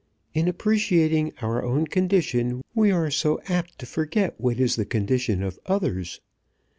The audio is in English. In appreciating our own condition we are so apt to forget what is the condition of others!